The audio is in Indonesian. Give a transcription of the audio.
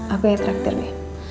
aku yang traktir be